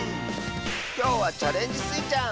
きょうは「チャレンジスイちゃん」！